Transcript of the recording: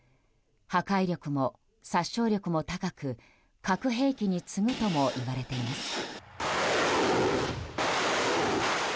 破壊力も殺傷力も高く核兵器に次ぐともいわれています。